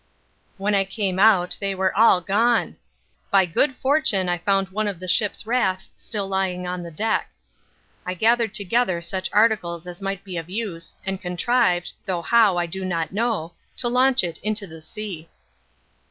When I came out they were all gone. By good fortune I found one of the ship's rafts still lying on the deck. I gathered together such articles as might be of use and contrived, though how I do not know, to launch it into the sea.